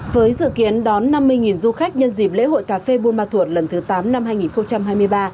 với dự kiến đón năm mươi du khách nhân dịp lễ hội cà phê buôn ma thuột lần thứ tám năm hai nghìn hai mươi ba